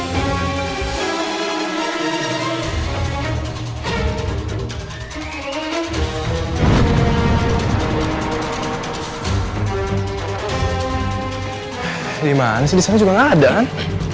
di mana sih di sana juga nggak ada kan